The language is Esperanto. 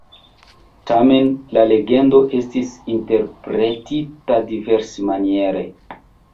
Tamen la legendo estis interpretita diversmaniere.